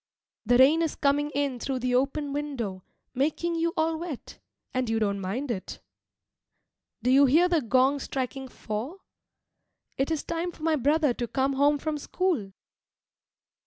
The rain is coming in through the open window, making you all wet, and you don't mind it. Do you hear the gong striking four? It is time for my brother to come home from school.